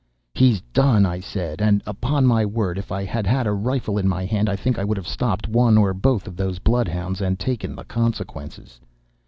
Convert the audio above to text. "'He's done,' I said, and, upon my word, if I had had a rifle in my hand I think I would have stopped one or both of those bloodhounds and taken the consequences.